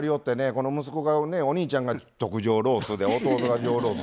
この息子がお兄ちゃんが特上ロースで弟が上ロース。